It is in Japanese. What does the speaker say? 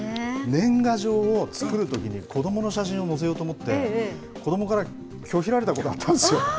年賀状を作るときに子どもの写真を載せようと思って、子どもから拒否られたことあったんですよ。